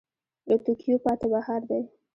له توتکیو پاته بهار دی